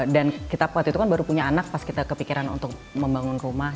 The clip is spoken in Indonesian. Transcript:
dan kita waktu itu kan baru punya anak pas kita kepikiran untuk membangun rumah